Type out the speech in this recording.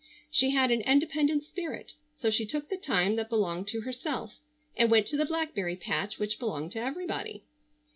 She had an independent spirit, so she took the time that belonged to herself, and went to the blackberry patch which belonged to everybody.